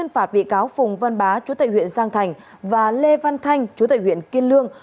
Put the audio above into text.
phạt bị cáo phùng văn bá chủ tịch huyện giang thành và lê văn thanh chủ tịch huyện kiên lương